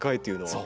そう。